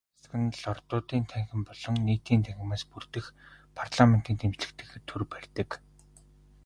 Хаант засаг нь Лордуудын танхим болон Нийтийн танхимаас бүрдэх парламентын дэмжлэгтэйгээр төр барьдаг.